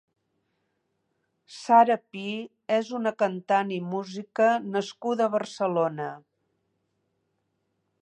Sara Pi és una cantant i música nascuda a Barcelona.